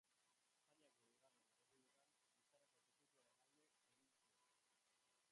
Espainiako Bigarren Errepublikan, Lizarrako estatutuaren alde egin zuen.